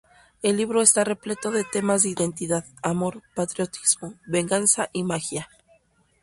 El libro está repleto de temas de identidad, amor, patriotismo, venganza y magia.